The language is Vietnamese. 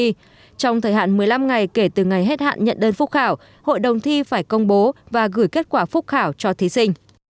trong thời hạn một mươi năm ngày kể từ ngày hết hạn nhận đơn phúc khảo hội đồng thi phải công bố và gửi kết quả phúc khảo cho thí sinh